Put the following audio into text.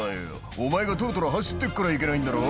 お前がトロトロ走ってっからいけないんだろ」